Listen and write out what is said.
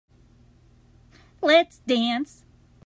Let's dance.